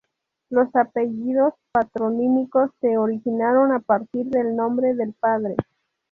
Los apellidos patronímicos se originaron a partir del nombre del padre.